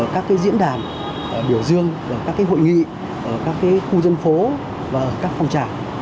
các cái diễn đàn biểu dương các cái hội nghị các cái khu dân phố và các phong trào